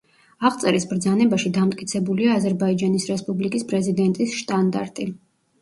აღწერის ბრძანებაში დამტკიცებულია აზერბაიჯანის რესპუბლიკის პრეზიდენტის შტანდარტი.